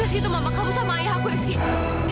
rizky itu mama kamu sama ayah aku rizky